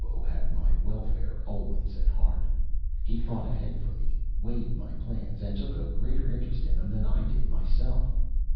Otoo had my welfare always at heart. He thought ahead for me, weighed my plans, and took a greater interest in them than I did myself.